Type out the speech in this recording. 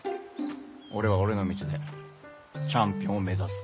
俺は俺の道でチャンピオンを目指す。